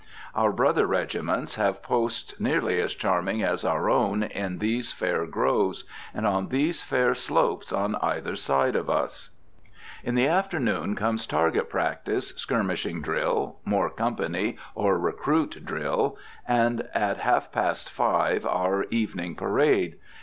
Our brother regiments have posts nearly as charming as our own in these fair groves and on these fair slopes on either side of us. In the afternoon, comes target practice, skirmishing drill, more company or recruit drill, and, at half past five, our evening parade.